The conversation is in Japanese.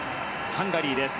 ハンガリーです。